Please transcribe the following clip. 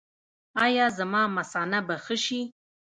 ایا زما مثانه به ښه شي؟